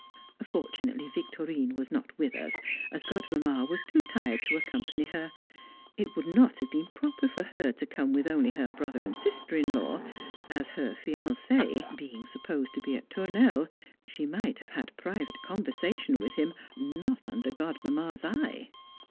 Fortunately Victorine was not with us, as Godmamma was too tired to accompany her; it would not have been proper for her to come with only her brother and sister in law, as her fiancé, being supposed to be at Tournelle, she might have had private conversation with him not under Godmamma's eye!